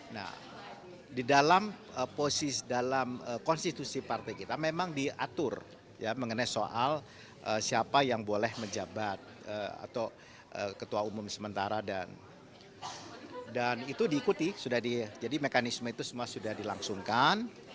nah di dalam posisi dalam konstitusi partai kita memang diatur mengenai soal siapa yang boleh menjabat atau ketua umum sementara dan itu diikuti sudah di jadi mekanisme itu semua sudah dilangsungkan